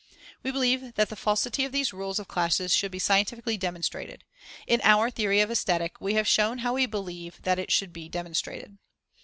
We believe that the falsity of these rules of classes should be scientifically demonstrated. In our Theory of Aesthetic we have shown how we believe that it should be demonstrated.